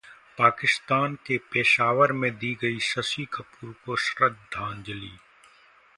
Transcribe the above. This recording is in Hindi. पाकिस्तान के पेशावर में दी गई शशि कपूर को श्रद्धांजलि